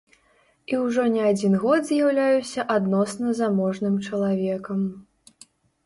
І ўжо не адзін год з'яўляюся адносна заможным чалавекам.